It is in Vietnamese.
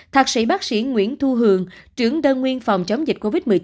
thạc sĩ bác sĩ nguyễn thu hường trưởng đơn nguyên phòng chống dịch covid một mươi chín